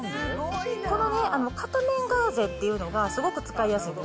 この片面ガーゼっていうのが、すごく使いやすいんです。